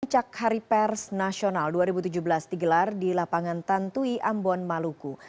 puncak hari pers nasional dua ribu tujuh belas digelar di lapangan tantui ambon maluku